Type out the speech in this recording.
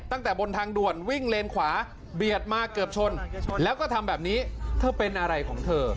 ตั้งแต่บนทางด่วนวิ่งเลนขวาเบียดมาเกือบชนแล้วก็ทำแบบนี้เธอเป็นอะไรของเธอ